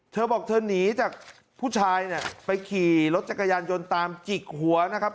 เธอบอกเธอหนีจากผู้ชายเนี่ยไปขี่รถจักรยานยนต์ตามจิกหัวนะครับ